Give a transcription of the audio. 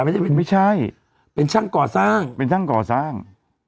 ไม่ใช่เป็นไม่ใช่เป็นช่างก่อสร้างเป็นช่างก่อสร้าง